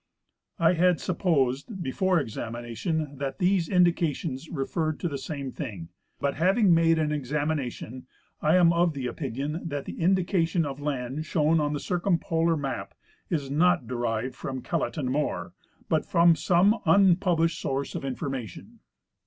I had supposed before examination that these indications referred to the same thing, but, having made an examination, I am of opinion that the indication of land shown on the circumpolar map is not derived from Kellett and INIoore, but from some un published source of information.